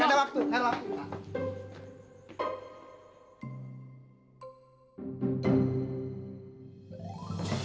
gak ada waktu gak ada waktu